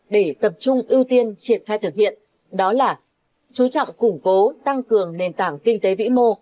để tập trung ưu tiên triển khai thực hiện đó là chú trọng củng cố tăng cường nền tảng kinh tế vĩ mô